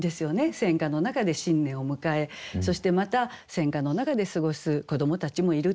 戦火の中で新年を迎えそしてまた戦火の中で過ごす子どもたちもいると。